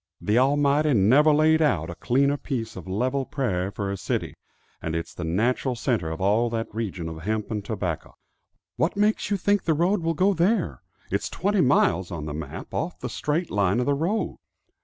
The Almighty never laid out a cleaner piece of level prairie for a city; and it's the natural center of all that region of hemp and tobacco." "What makes you think the road will go there? It's twenty miles, on the map, off the straight line of the road?"